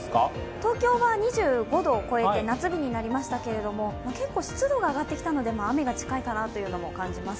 東京は２５度を超えて夏日になりましたけれども結構、湿度が上がってきたので雨が近いかなと感じます。